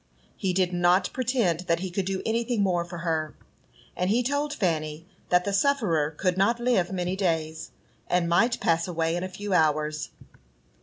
He did not pretend that he could do anything more for her, and he told Fanny that the sufferer could not live many days, and might pass away in a few hours.